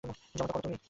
যেমনটা করো তুমি।